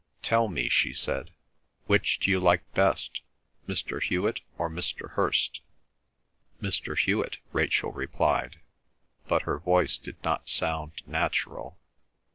"Tell me," she said, "which d'you like best, Mr. Hewet or Mr. Hirst?" "Mr. Hewet," Rachel replied, but her voice did not sound natural.